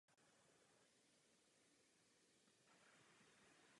Natáčení probíhalo v České republice a na Slovensku.